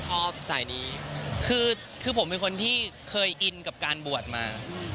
สายนี้คือผมเป็นคนที่เคยอินกับการบวชมา